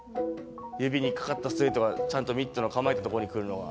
指にかかったストレートがちゃんとミットの構えた所に来るのが。